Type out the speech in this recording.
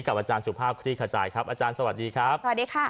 อาจารย์สุภาพคลี่ขจายครับอาจารย์สวัสดีครับสวัสดีค่ะ